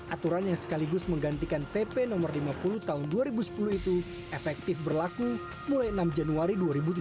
aturan yang sekaligus menggantikan pp no lima puluh tahun dua ribu sepuluh itu efektif berlaku mulai enam januari dua ribu tujuh belas